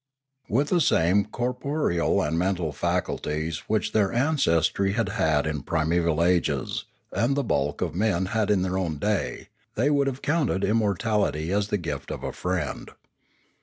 With the same corporeal and mental faculties which their ancestry had had in primeval ages, and the bulk of men had in their own day, they would have counted immortality as the gift of a frtend.